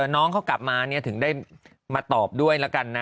น้องเขากลับมาถึงมาตอบด้วย